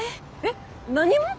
えっ何も？